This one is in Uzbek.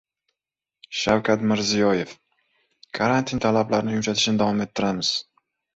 Shavkat Mirziyoyev: «Karantin talablarini yumshatishni davom ettiramiz»